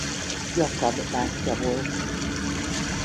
Jakab bátyja volt.